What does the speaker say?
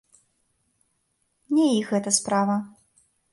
Не іх гэта справа.